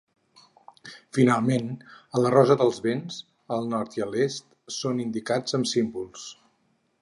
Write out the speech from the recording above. Finalment, a la rosa dels vents, el nord i l'est són indicats amb símbols.